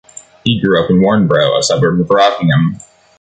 He grew up in Warnbro, a suburb of Rockingham.